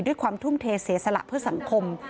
ด้วยความทุ่มเทเสสละเพื่อสังคม